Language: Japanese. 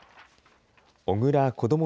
小倉こども